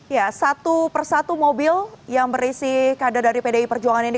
ya satu persatu mobil yang berisi kader dari pdi perjuangan ini